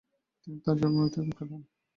তিনি তার জন্মভূমিতেই কাটান।